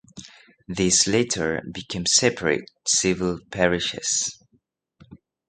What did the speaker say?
These later became separate civil parishes.